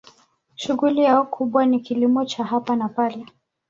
Shughuli yao kubwa ni kilimo cha hapa na pale.